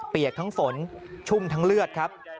เปียกทั้งฝนชุ่มทั้งเลือดครับ